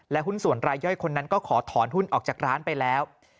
หุ้นส่วนรายย่อยคนนั้นก็ขอถอนหุ้นออกจากร้านไปแล้ว